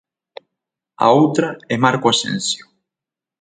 A outra é Marco Asensio.